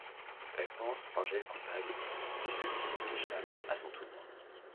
Elle pense Angel coupable et celui-ci s'échappe à son tour.